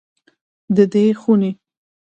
د دې خونې